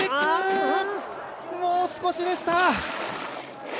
もう少しでした！